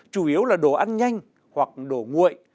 chủ yếu là đồ ăn nhanh hoặc đồ nguội